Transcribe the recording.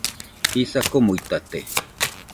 Jisa komuitate